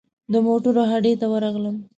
د موټرو هډې ته ورغلم.